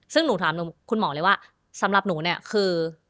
ซึ่งหนูถามคุณหมอเลยว่าสำหรับหนูเนี่ยคือ